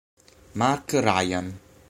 Marc Ryan